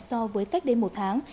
so với cách đến một tháng